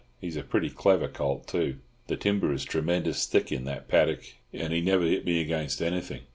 He's a pretty clever colt, too. The timber is tremendous thick in that paddick, and he never hit me against anything.